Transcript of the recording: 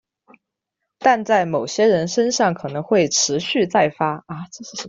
但在某些人身上可能会持续再发。